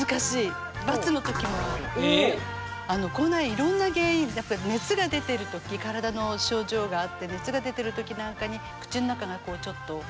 いろんな原因やっぱ熱が出てる時体の症状があって熱が出てる時なんかに口の中がこうちょっとホットな状態。